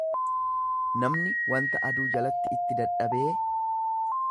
namni wanta aduu jalatti itti dadhabee,